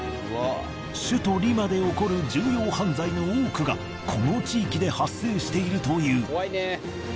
首都リマで起こる重要犯罪の多くがこの地域で発生しているという。